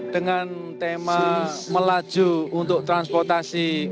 dengan tema melaju untuk transportasi